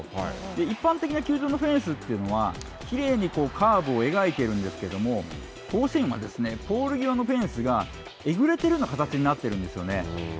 一般的な球場のフェンスというのはきれいにカーブを描いているんですけれども、甲子園は、ポール際のフェンスがえぐれているような形になっているんですよね。